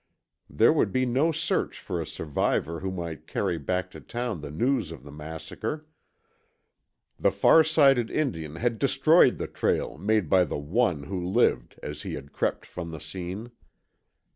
There would be no search for a survivor who might carry back to town the news of the massacre. The farsighted Indian had destroyed the trail made by the one who lived as he had crept from the scene.